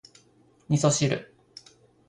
味噌汁